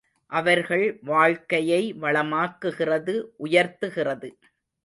அவர்கள் வாழ்க்கையை வளமாக்குகிறது உயர்த்துகிறது.